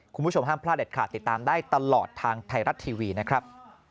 คุณผู้ชมห้ามพลาดเด็ดขาดติดตามได้ตลอดทางไทยรัฐทีวีนะครับ